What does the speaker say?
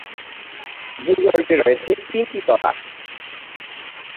ভূগর্ভে রয়েছে তিনটি তলা।